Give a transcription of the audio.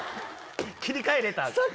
切り替えれたら。